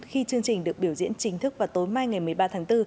khi chương trình được biểu diễn chính thức vào tối mai ngày một mươi ba tháng bốn